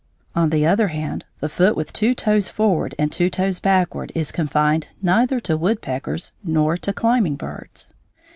On the other hand, the foot with two toes forward and two toes backward is confined neither to woodpeckers nor to climbing birds.